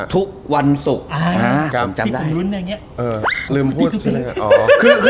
ทุกวันศุกร์